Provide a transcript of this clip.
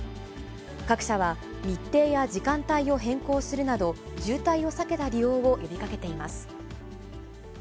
各社は、日程や時間帯を変更するなど、渋滞を避けた利用を呼びかけています。